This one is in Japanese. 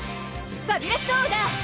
ファビュラスオーダー！